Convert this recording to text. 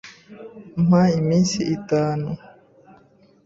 Mpa iminsi itanu.